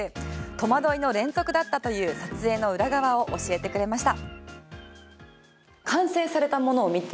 戸惑いの連続だったという撮影の裏側を教えてくれました。